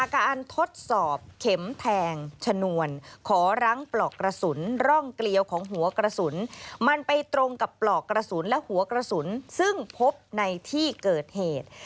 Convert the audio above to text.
การทดสอบเข็มแทงชนวนขอรั้งปลอกกระสุนร่องเกลียวของหัวกระสุนมันไปตรงกับปลอกกระสุนและหัวกระสุนซึ่งพบในที่เกิดเหตุ